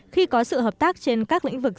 khi có sự hợp tác trên các lĩnh vực